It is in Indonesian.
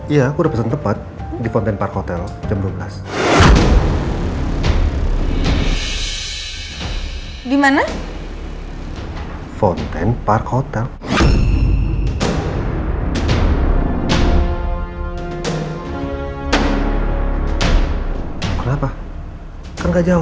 iya aku udah pesen tepat di fontaine park hotel jam dua belas